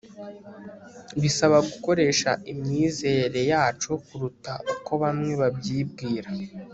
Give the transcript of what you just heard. bisaba gukoresha imyizerere yacu kuruta uko bamwe babyibwira